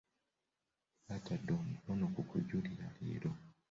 Batadde omukono ku kujulira leero.